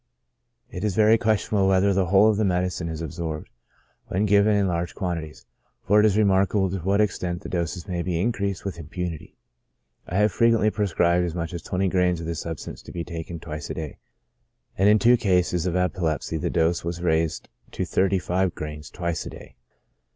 It is very questionable whether the whole of the medicine is absorbed when given in large quantities, for it is remarkable to what extent the doses may be increased with impunity ; I have frequently pre scribed as much as twenty grains of the substance to be taken twice a day, and in two cases of epilepsy the dose was raised to thirty five giains twice a day.